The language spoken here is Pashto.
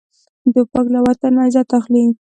توپک له وطن عزت اخلي.